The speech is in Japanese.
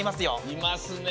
いますね。